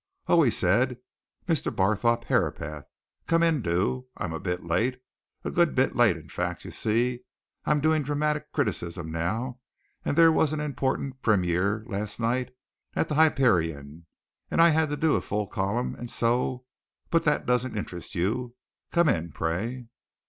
"Oh!" he said. "Mr. Barthorpe Herapath! Come in do. I'm a bit late a good bit late, in fact. You see, I'm doing dramatic criticism now, and there was an important première last night at the Hyperion, and I had to do a full column, and so but that doesn't interest you. Come in, pray."